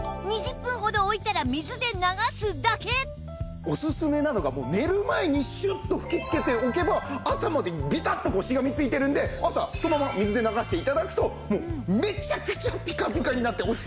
２０分ほど置いたらオススメなのが寝る前にシュッと吹きつけておけば朝までビタッとこうしがみついてるんで朝そのまま水で流して頂くともうめちゃくちゃピカピカになって落ちてくれてる。